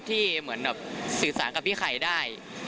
ที่เหมือนสื่อสารกับพี่ไข่ได้